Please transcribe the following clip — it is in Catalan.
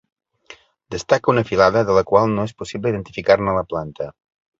Destaca una filada de la qual no és possible identificar-ne la planta.